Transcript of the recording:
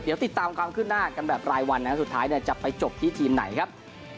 เดี๋ยวติดตามความขึ้นหน้ากันแบบรายวันนะครับสุดท้ายจะไปจบที่ทีมไหนครับ